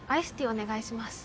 お願いします